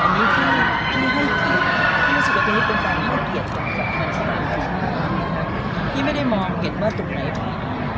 อันนี้ที่ไม่ได้มองเห็นว่าตรงไหนไป